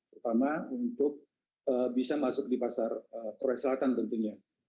terutama untuk bisa masuk di pasar korea selatan tentunya